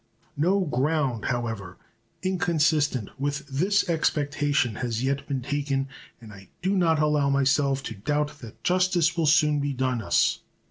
No ground, however, inconsistent with this expectation has yet been taken, and I do not allow myself to doubt that justice will soon be done us.